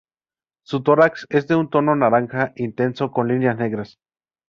Su tórax es de un tono naranja intenso con líneas negras.